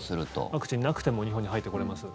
ワクチンなくても日本に入ってこれます。